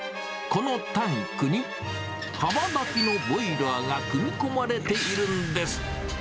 このタンクに、かま炊きのボイラーが組み込まれているんです。